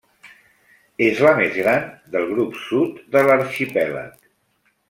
És la més gran del grup sud de l'arxipèlag.